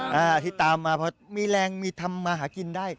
ถ้าตามมาเพราะมีแรงมีธรรมหากินได้